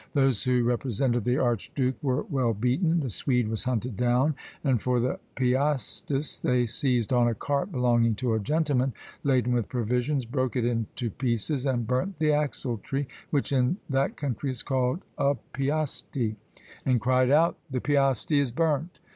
Those who represented the archduke were well beaten, the Swede was hunted down, and for the Piastis, they seized on a cart belonging to a gentleman, laden with provisions, broke it to pieces, and burnt the axle tree, which in that country is called a piasti, and cried out _The Piasti is burnt!